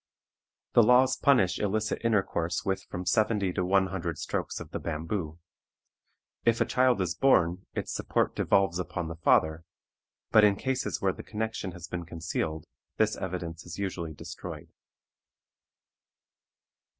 The laws punish illicit intercourse with from seventy to one hundred strokes of the bamboo. If a child is born, its support devolves upon the father; but in cases where the connection has been concealed, this evidence is usually destroyed.